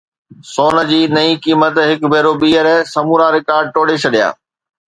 سون جي نئين قيمت هڪ ڀيرو ٻيهر سمورا رڪارڊ ٽوڙي ڇڏيا